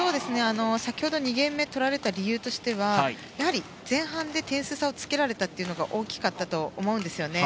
先ほど２ゲーム目取られた理由としては前半で点数差をつけられたのが大きかったと思うんですよね。